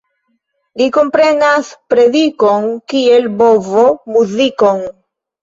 Li komprenas predikon, kiel bovo muzikon.